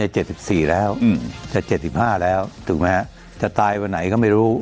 จะ๗๔แล้วจะ๗๕แล้วถูกไหมจะตายวันไหนก็ไม่รู้